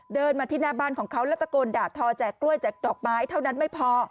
เดินมาที่หน้าบ้านของเขาแล้วตะโกนด่าทอแจกกล้วยแจกดอกไม้เท่านั้นไม่พอ